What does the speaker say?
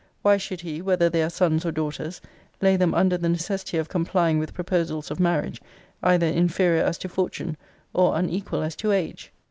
Why should he, whether they are sons or daughters, lay them under the necessity of complying with proposals of marriage, either inferior as to fortune, or unequal as to age?